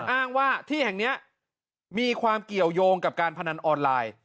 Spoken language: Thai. อ้างว่าที่แห่งนี้มีความเกี่ยวยงกับการพนันออนไลน์